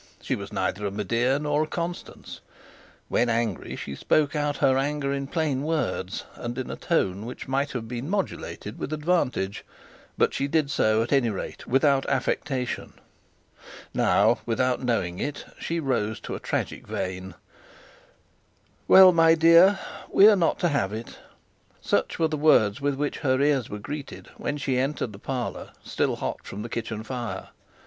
She was neither a Medea nor a Constance. When angry, she spoke out her anger in plain words, and in a tone which might have been modulated with advantage; but she did so, at any rate, without affectation. Now, without knowing it, she rose to a tragic vein. 'Well, my dear; we are not to have it.' Such were the words with which her ears were greeted when she entered the parlour, still hot from the kitchen fire.